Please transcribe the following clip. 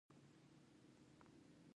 انجینر د خلکو په ژوند مستقیمه اغیزه لري.